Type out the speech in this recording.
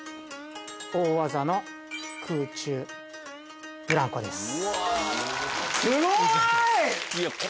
大技の空中ブランコです。